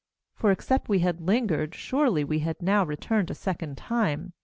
10For except we had lingered, surely we had now returned a second time.